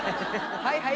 はいはい？